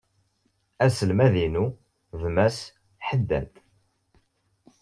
Aselmad-inu d Mass Haddad.